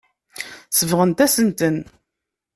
Sebɣent-asen-ten.